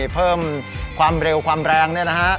เพิ่มความเร็วความแรง